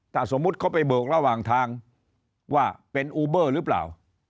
ถ้าสมมุติเขาไปเบิกระหว่างทางว่าเป็นอูเบอร์หรือเปล่า